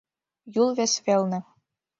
Юл вес велне